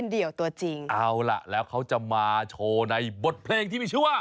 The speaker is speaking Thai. เอาละแล้วเขาจะมาโชว์ในบทเพลงที่ชั่ว